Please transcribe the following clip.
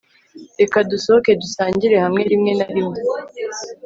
reka dusohoke dusangire hamwe rimwe na rimwe